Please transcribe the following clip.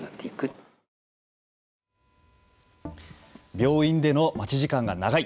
病院での待ち時間が長い。